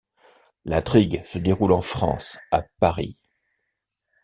L'intrigue se déroule en France, à Paris.